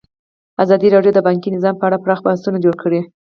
ازادي راډیو د بانکي نظام په اړه پراخ بحثونه جوړ کړي.